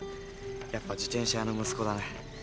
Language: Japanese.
やっぱ自転車屋の息子だね。